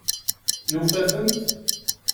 Yufa-tent?